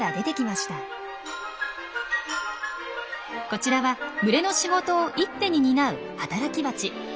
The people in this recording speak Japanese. こちらは群れの仕事を一手に担う働きバチ。